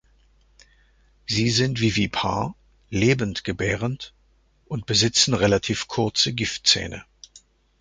Sie sind vivipar (lebendgebärend) und besitzen relativ kurze Giftzähne.